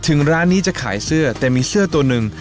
ถึงร้านนี้จะขายเสื้อแต่มีเสื้อตัวหนึ่ง